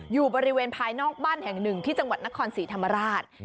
อยู่บริเวณภายนอกบ้านแห่งหนึ่งที่จังหวัดนครศรีธรรมราช